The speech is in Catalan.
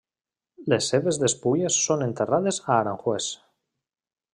Les seves despulles són enterrades a Aranjuez.